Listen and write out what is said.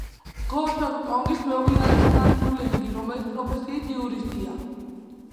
გო ჩოკ ტონგის მეუღლე არის ტან ჩუ ლენგი, რომელიც პროფესიით იურისტია.